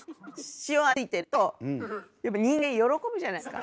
塩味が付いてるとやっぱ人間喜ぶじゃないですか。